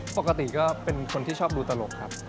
ปกติก็เป็นคนที่ชอบดูตลกครับ